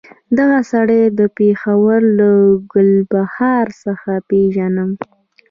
دغه سړی د پېښور له ګلبهار څخه پېژنم.